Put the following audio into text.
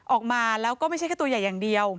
ออกมาแล้วก็ไม่ใช่แค่ตัวใหญ่อย่างเดียว